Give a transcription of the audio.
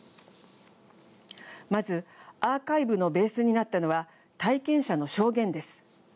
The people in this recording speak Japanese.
まず、アーカイブのベースになったのは体験者の証言です。